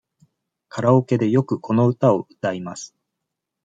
カラオケでよくこの歌を歌います。